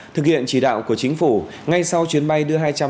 thực hiện chỉ đạo của chính phủ ngay sau chuyến bay